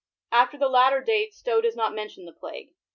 ^ After the latter date Stowe does not men tion the plague.